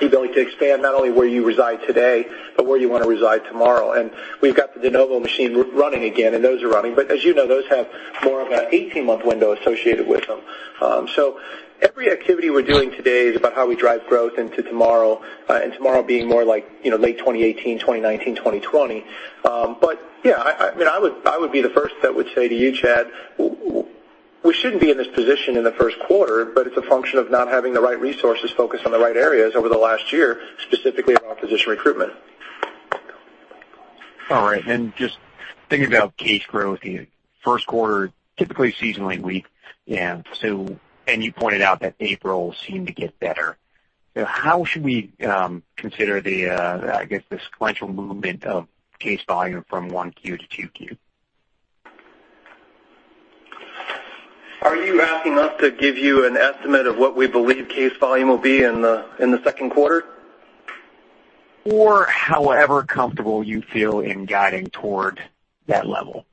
the ability to expand not only where you reside today, but where you want to reside tomorrow. We've got the de novo machine running again, and those are running. As you know, those have more of an 18-month window associated with them. Every activity we're doing today is about how we drive growth into tomorrow, and tomorrow being more like late 2018, 2019, 2020. Yeah, I would be the first that would say to you, Chad, we shouldn't be in this position in the first quarter, but it's a function of not having the right resources focused on the right areas over the last year, specifically around physician recruitment. All right. Just thinking about case growth, first quarter, typically seasonally weak. You pointed out that April seemed to get better. How should we consider the, I guess, the sequential movement of case volume from 1Q to 2Q? Are you asking us to give you an estimate of what we believe case volume will be in the second quarter? However comfortable you feel in guiding toward that level.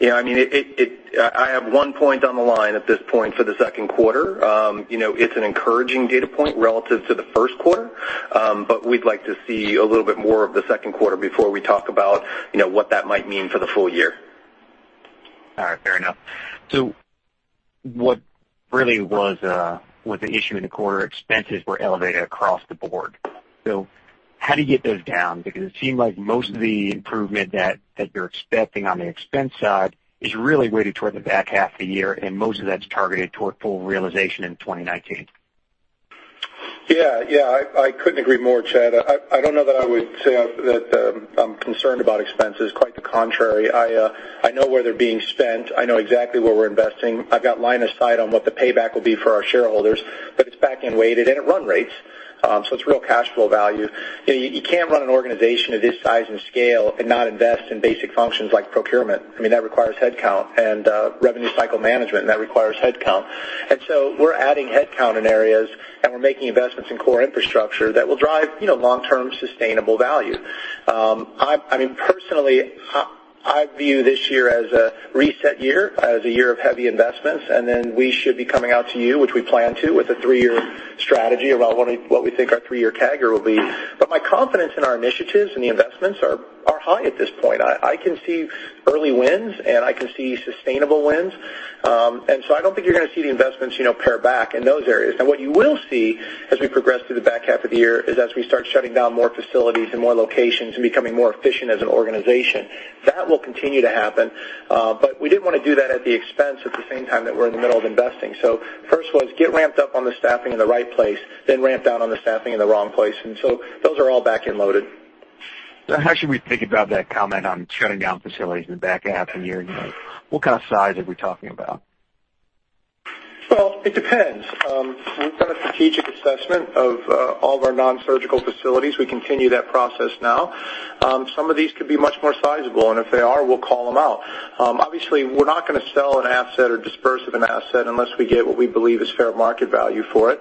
I have one point on the line at this point for the second quarter. It's an encouraging data point relative to the first quarter, but we'd like to see a little bit more of the second quarter before we talk about what that might mean for the full year. Fair enough. What really was the issue in the quarter, expenses were elevated across the board. How do you get those down? It seemed like most of the improvement that you're expecting on the expense side is really weighted toward the back half of the year, and most of that's targeted toward full realization in 2019. I couldn't agree more, Chad. I don't know that I would say that I'm concerned about expenses. Quite the contrary. I know where they're being spent. I know exactly where we're investing. I've got line of sight on what the payback will be for our shareholders, but it's back-end weighted, and at run rates, it's real cash flow value. You can't run an organization of this size and scale and not invest in basic functions like procurement. I mean, that requires headcount and revenue cycle management, and that requires headcount. We're adding headcount in areas, and we're making investments in core infrastructure that will drive long-term sustainable value. I mean, personally, I view this year as a reset year, as a year of heavy investments, we should be coming out to you, which we plan to, with a three-year strategy around what we think our three-year CAGR will be. My confidence in our initiatives and the investments are high at this point. I can see early wins, and I can see sustainable wins. I don't think you're going to see the investments pare back in those areas. What you will see as we progress through the back half of the year is as we start shutting down more facilities and more locations and becoming more efficient as an organization, that will continue to happen. We didn't want to do that at the expense at the same time that we're in the middle of investing. First was get ramped up on the staffing in the right place, then ramp down on the staffing in the wrong place. Those are all back-end loaded. How should we think about that comment on shutting down facilities in the back half of the year? What kind of size are we talking about? Well, it depends. We've done a strategic assessment of all of our non-surgical facilities. We continue that process now. Some of these could be much more sizable, and if they are, we'll call them out. Obviously, we're not going to sell an asset or dispose of an asset unless we get what we believe is fair market value for it.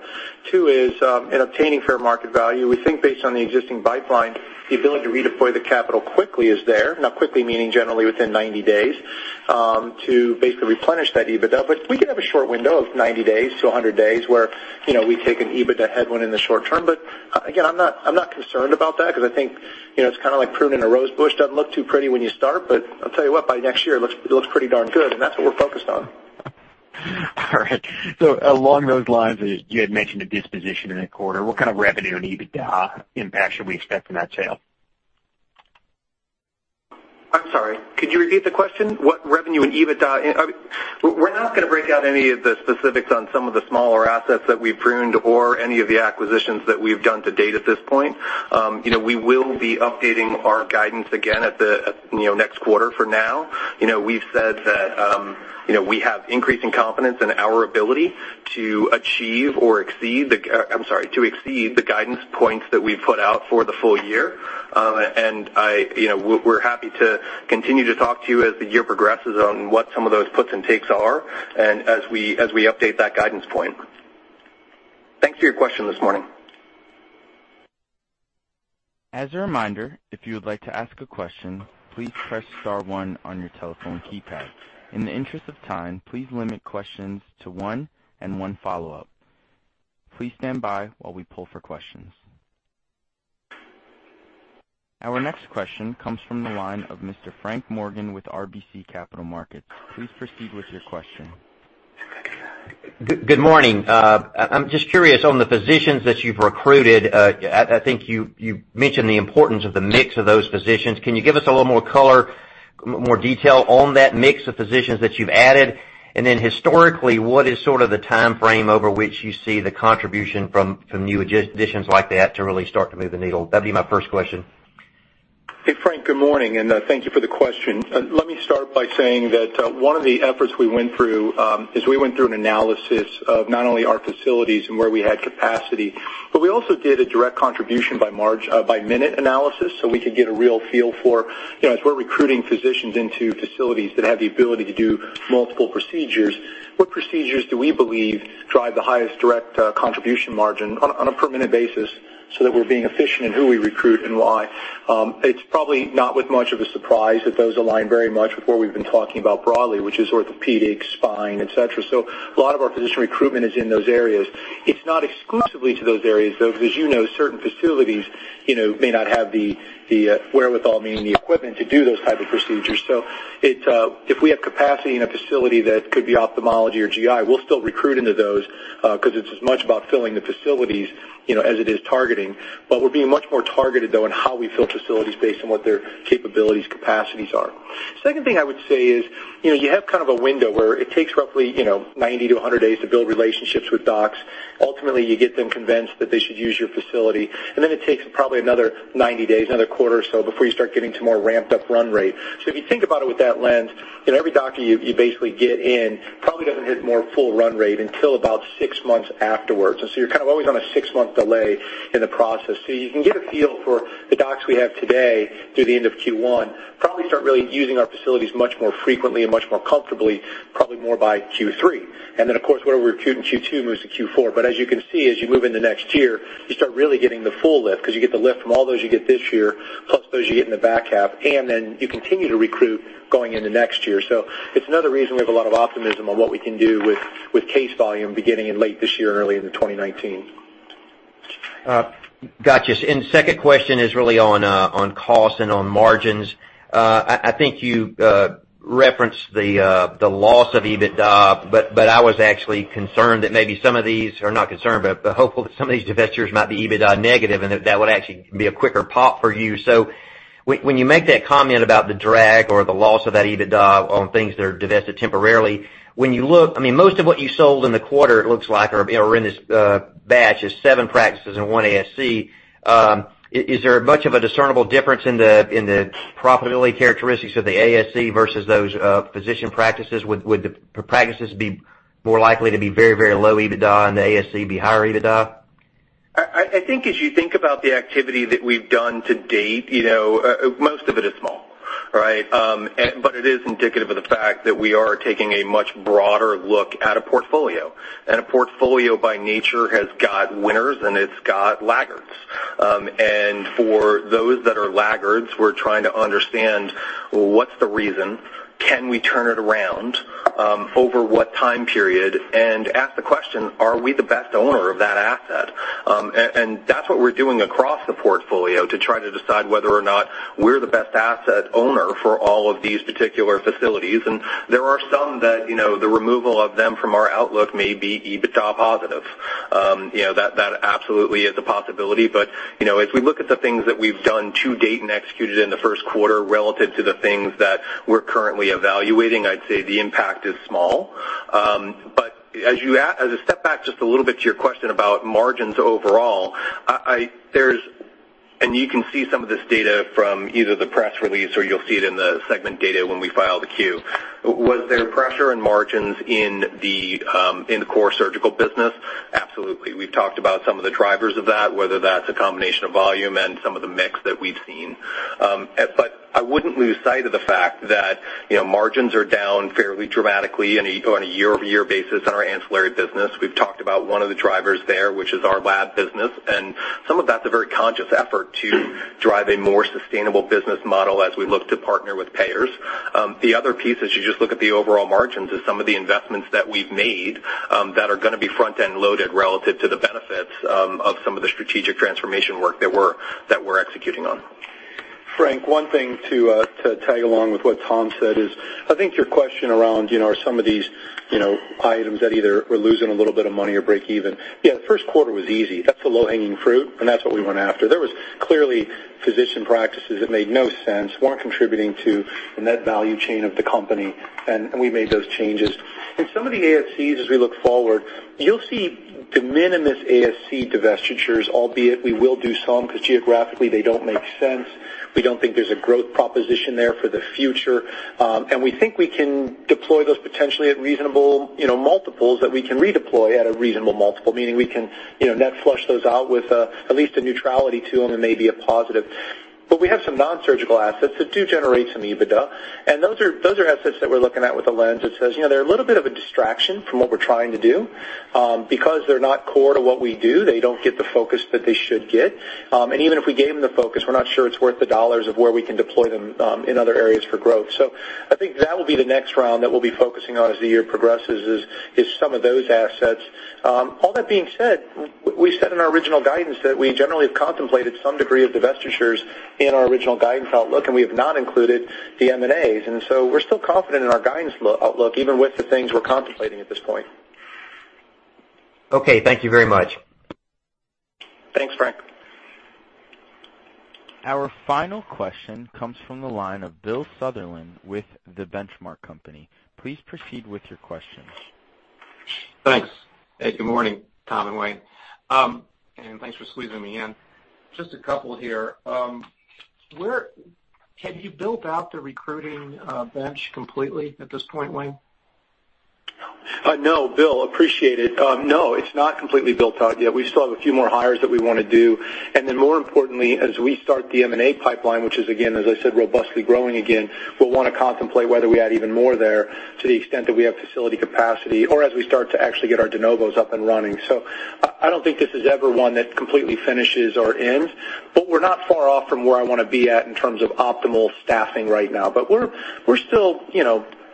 Two is, in obtaining fair market value, we think based on the existing pipeline, the ability to redeploy the capital quickly is there. Now, quickly meaning generally within 90 days, to basically replenish that EBITDA. We could have a short window of 90-100 days where we take an EBITDA headwind in the short term. Again, I'm not concerned about that because I think it's kind of like pruning a rose bush. Doesn't look too pretty when you start, but I'll tell you what, by next year, it looks pretty darn good, and that's what we're focused on. All right. Along those lines, you had mentioned a disposition in a quarter. What kind of revenue and EBITDA impact should we expect from that sale? I'm sorry, could you repeat the question? We're not going to break out any of the specifics on some of the smaller assets that we've pruned or any of the acquisitions that we've done to date at this point. We will be updating our guidance again at the next quarter. For now, we've said that we have increasing confidence in our ability to achieve or exceed the I'm sorry, to exceed the guidance points that we've put out for the full year. We're happy to continue to talk to you as the year progresses on what some of those puts and takes are and as we update that guidance point. Thanks for your question this morning. As a reminder, if you would like to ask a question, please press star one on your telephone keypad. In the interest of time, please limit questions to one and one follow-up. Please stand by while we poll for questions. Our next question comes from the line of Mr. Frank Morgan with RBC Capital Markets. Please proceed with your question. Good morning. I'm just curious on the physicians that you've recruited, I think you mentioned the importance of the mix of those physicians. Can you give us a little more color, more detail on that mix of physicians that you've added? Then historically, what is sort of the time frame over which you see the contribution from new additions like that to really start to move the needle? That'd be my first question. Hey, Frank, good morning, and thank you for the question. Let me start by saying that one of the efforts we went through is we went through an analysis of not only our facilities and where we had capacity, but we also did a direct contribution by minute analysis so we could get a real feel for, as we're recruiting physicians into facilities that have the ability to do multiple procedures, what procedures do we believe drive the highest direct contribution margin on a per minute basis so that we're being efficient in who we recruit and why. It's probably not with much of a surprise that those align very much with what we've been talking about broadly, which is orthopedics, spine, et cetera. A lot of our physician recruitment is in those areas. It's not exclusively to those areas, though, because certain facilities may not have the wherewithal, meaning the equipment to do those type of procedures. If we have capacity in a facility that could be ophthalmology or GI, we'll still recruit into those because it's as much about filling the facilities as it is targeting. We're being much more targeted, though, in how we fill facilities based on what their capabilities, capacities are. Second thing I would say is, you have kind of a window where it takes roughly 90-100 days to build relationships with docs. Ultimately, you get them convinced that they should use your facility, and then it takes probably another 90 days, another quarter or so before you start getting to more ramped up run rate. If you think about it with that lens, every doctor you basically get in probably doesn't hit more full run rate until about six months afterwards. You're kind of always on a six-month delay in the process. You can get a feel for the docs we have today through the end of Q1, probably start really using our facilities much more frequently and much more comfortably, probably more by Q3. Of course, whatever we recruit in Q2 moves to Q4. As you can see, as you move into next year, you start really getting the full lift because you get the lift from all those you get this year, plus those you get in the back half, and then you continue to recruit going into next year. It's another reason we have a lot of optimism on what we can do with case volume beginning in late this year and early into 2019. Got you. Second question is really on cost and on margins. I think you referenced the loss of EBITDA, but I was actually concerned that maybe some of these, or not concerned, but hopeful that some of these divestitures might be EBITDA negative and that that would actually be a quicker pop for you. When you make that comment about the drag or the loss of that EBITDA on things that are divested temporarily, when you look, most of what you sold in the quarter, it looks like, or in this batch is seven practices and one ASC. Is there much of a discernible difference in the profitability characteristics of the ASC versus those physician practices? Would the practices be more likely to be very low EBITDA and the ASC be higher EBITDA? I think as you think about the activity that we've done to date, most of it is small, right? It is indicative of the fact that we are taking a much broader look at a portfolio. A portfolio by nature has got winners and it's got laggards. For those that are laggards, we're trying to understand what's the reason, can we turn it around, over what time period, and ask the question, are we the best owner of that asset? That's what we're doing across the portfolio to try to decide whether or not we're the best asset owner for all of these particular facilities. There are some that the removal of them from our outlook may be EBITDA positive. That absolutely is a possibility. If we look at the things that we've done to date and executed in the first quarter relative to the things that we're currently evaluating, I'd say the impact is small. As a step back just a little bit to your question about margins overall, you can see some of this data from either the press release or you'll see it in the segment data when we file the Q. Was there pressure in margins in the core surgical business? Absolutely. We've talked about some of the drivers of that, whether that's a combination of volume and some of the mix that we've seen. I wouldn't lose sight of the fact that margins are down fairly dramatically on a year-over-year basis on our ancillary business. We've talked about one of the drivers there, which is our lab business. Some of that's a very conscious effort to drive a more sustainable business model as we look to partner with payers. The other piece, as you just look at the overall margins, is some of the investments that we've made that are going to be front-end loaded relative to the benefits of some of the strategic transformation work that we're executing on. Frank, one thing to tag along with what Tom said is, I think your question around are some of these items that either we're losing a little bit of money or break even. The first quarter was easy. That's the low-hanging fruit, and that's what we went after. There was clearly physician practices that made no sense, weren't contributing to the net value chain of the company, and we made those changes. In some of the ASCs, as we look forward, you'll see de minimis ASC divestitures, albeit we will do some because geographically they don't make sense. We don't think there's a growth proposition there for the future, and we think we can deploy those potentially at reasonable multiples that we can redeploy at a reasonable multiple, meaning we can net flush those out with at least a neutrality to them and maybe a positive. We have some non-surgical assets that do generate some EBITDA, and those are assets that we're looking at with a lens that says they're a little bit of a distraction from what we're trying to do. Because they're not core to what we do, they don't get the focus that they should get. Even if we gave them the focus, we're not sure it's worth the dollars of where we can deploy them in other areas for growth. I think that will be the next round that we'll be focusing on as the year progresses is some of those assets. All that being said, we said in our original guidance that we generally have contemplated some degree of divestitures in our original guidance outlook, we have not included the M&As. We're still confident in our guidance outlook, even with the things we're contemplating at this point. Okay, thank you very much. Thanks, Frank. Our final question comes from the line of Bill Sutherland with The Benchmark Company. Please proceed with your questions. Thanks. Hey, good morning, Tom and Wayne, and thanks for squeezing me in. Just a couple here. Have you built out the recruiting bench completely at this point, Wayne? No, Bill. Appreciate it. No, it's not completely built out yet. We still have a few more hires that we want to do. More importantly, as we start the M&A pipeline, which is, again, as I said, robustly growing again, we'll want to contemplate whether we add even more there to the extent that we have facility capacity or as we start to actually get our de novos up and running. I don't think this is ever one that completely finishes or ends, but we're not far off from where I want to be at in terms of optimal staffing right now. We're still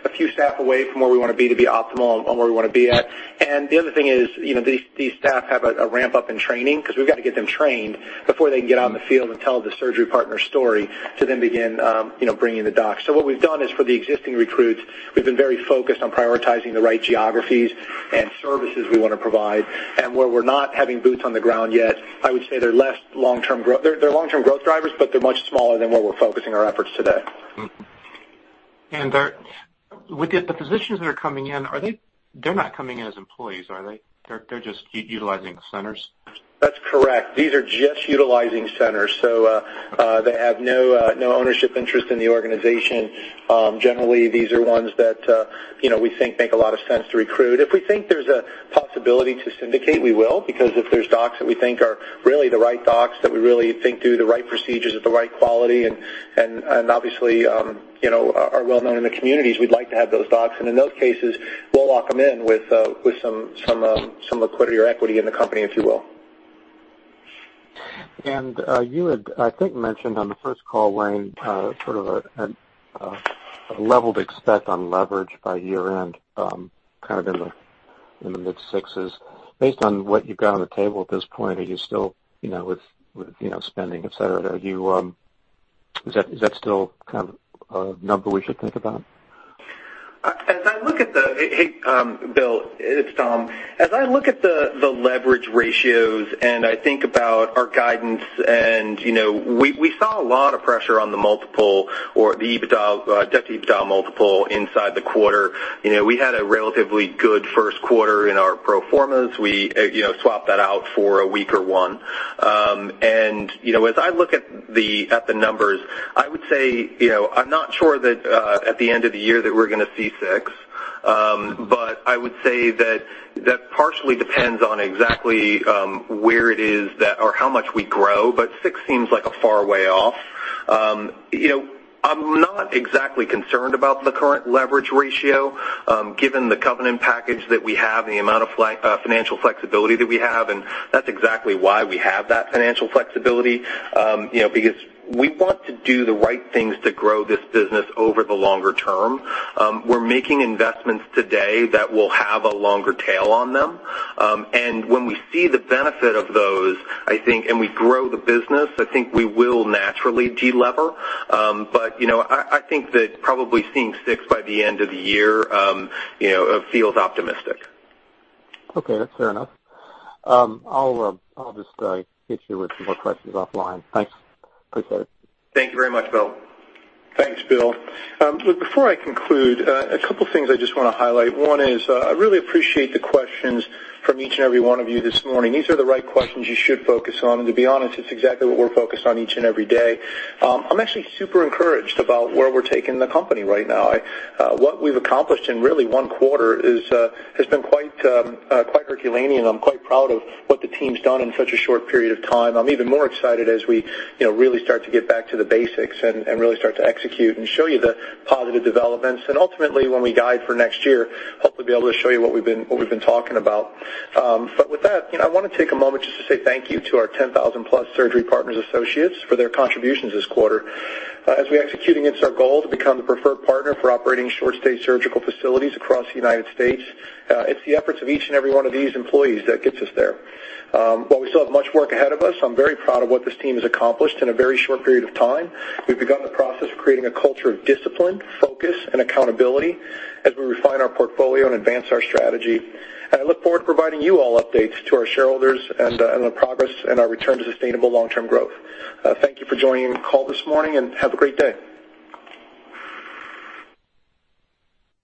a few staff away from where we want to be to be optimal and where we want to be at. The other thing is, these staff have a ramp-up in training because we've got to get them trained before they can get out in the field and tell the Surgery Partners story to then begin bringing the docs. What we've done is for the existing recruits, we've been very focused on prioritizing the right geographies and services we want to provide. Where we're not having boots on the ground yet, I would say they're long-term growth drivers, but they're much smaller than where we're focusing our efforts today. With the physicians that are coming in, they're not coming in as employees, are they? They're just utilizing centers. That's correct. These are just utilizing centers. They have no ownership interest in the organization. Generally, these are ones that we think make a lot of sense to recruit. If we think there's a possibility to syndicate, we will, because if there's docs that we think are really the right docs, that we really think do the right procedures at the right quality and obviously are well-known in the communities, we'd like to have those docs. In those cases, we'll lock them in with some liquidity or equity in the company, if you will. You had, I think, mentioned on the first call, Wayne, sort of a level to expect on leverage by year-end, kind of in the mid sixes. Based on what you've got on the table at this point, are you still with spending, et cetera, is that still kind of a number we should think about? Hey, Bill, it's Tom. As I look at the leverage ratios, and I think about our guidance and we saw a lot of pressure on the multiple or the debt to EBITDA multiple inside the quarter. We had a relatively good first quarter in our pro formas. We swapped that out for a weaker one. As I look at the numbers, I would say, I'm not sure that at the end of the year that we're going to see six, but I would say that partially depends on exactly where it is that or how much we grow, but six seems like a far way off. I'm not exactly concerned about the current leverage ratio, given the covenant package that we have and the amount of financial flexibility that we have, and that's exactly why we have that financial flexibility, because we want to do the right things to grow this business over the longer term. We're making investments today that will have a longer tail on them. When we see the benefit of those, I think, and we grow the business, I think we will naturally delever. I think that probably seeing 6 by the end of the year feels optimistic. Okay, that's fair enough. I'll just hit you with some more questions offline. Thanks. Appreciate it. Thank you very much, Bill. Thanks, Bill. Look, before I conclude, a couple of things I just want to highlight. One is, I really appreciate the questions from each and every one of you this morning. These are the right questions you should focus on, to be honest, it's exactly what we're focused on each and every day. I'm actually super encouraged about where we're taking the company right now. What we've accomplished in really one quarter has been quite herculean, and I'm quite proud of what the team's done in such a short period of time. I'm even more excited as we really start to get back to the basics and really start to execute and show you the positive developments. Ultimately, when we guide for next year, hopefully be able to show you what we've been talking about. With that, I want to take a moment just to say thank you to our 10,000-plus Surgery Partners associates for their contributions this quarter. As we execute against our goal to become the preferred partner for operating short-stay surgical facilities across the United States, it's the efforts of each and every one of these employees that gets us there. While we still have much work ahead of us, I'm very proud of what this team has accomplished in a very short period of time. We've begun the process of creating a culture of discipline, focus, and accountability as we refine our portfolio and advance our strategy. I look forward to providing you all updates to our shareholders and the progress and our return to sustainable long-term growth. Thank you for joining the call this morning, and have a great day.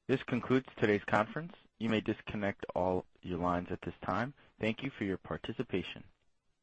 This concludes today's conference. You may disconnect all your lines at this time. Thank you for your participation.